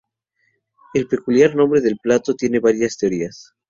El peculiar nombre del plato tiene varias teorías.